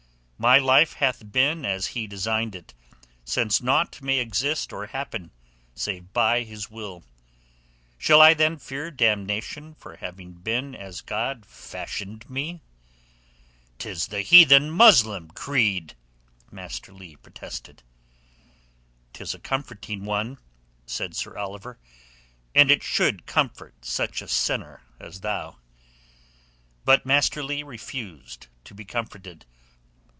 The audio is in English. "My life hath been as He designed it, since naught may exist or happen save by His Will. Shall I then fear damnation for having been as God fashioned me?" "'Tis the heathen Muslim creed!" Master Leigh protested. "'Tis a comforting one," said Sir Oliver, "and it should comfort such a sinner as thou." But Master Leigh refused to be comforted.